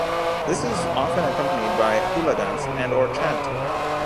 This is often accompanied by hula dance and or chant.